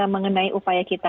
mengenai upaya kita